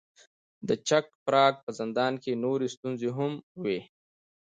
د چک پراګ په زندان کې نورې ستونزې هم وې.